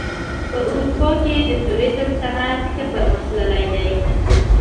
په اروپا کې د توریزم صنعت ښه پرمختللی دی.